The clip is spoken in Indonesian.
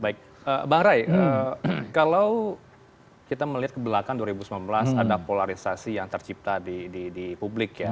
baik bang ray kalau kita melihat ke belakang dua ribu sembilan belas ada polarisasi yang tercipta di publik ya